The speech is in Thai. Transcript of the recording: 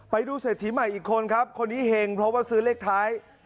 ไปดูเศรษฐีใหม่อีกคนครับคนนี้เห็งเพราะว่าซื้อเลขท้าย